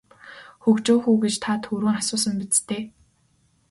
Хөгжөөх үү гэж та түрүүн асуусан биз дээ.